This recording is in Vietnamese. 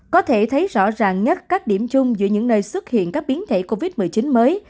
có thể thấy rõ ràng nhất các điểm chung giữa những nơi xuất hiện các biến thể covid một mươi chín mới